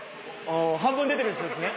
半分出てるやつですね。